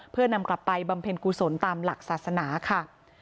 เพื่อนำกลับไปบำเพ็ญกุศลตามหลักศาสนาค่ะ